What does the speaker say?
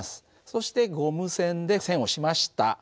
そしてゴム栓で栓をしました。